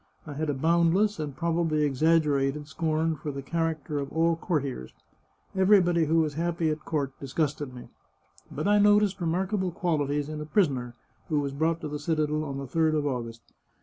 I had a boundless and probably exaggerated scorn for the character of all courtiers ; everybody who was happy at court disgusted me. But I noticed remarkable qualities in a prisoner who was brought to the citadel on the third of August.